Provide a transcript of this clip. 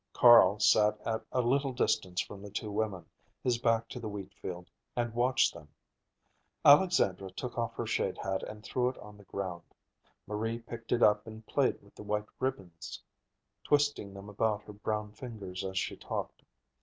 Carl sat at a little distance from the two women, his back to the wheatfield, and watched them. Alexandra took off her shade hat and threw it on the ground. Marie picked it up and played with the white ribbons, twisting them about her brown fingers as she talked.